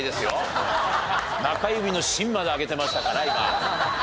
中指の芯まで挙げてましたから今。